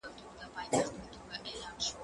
سبزیحات د مور له خوا وچول کيږي؟!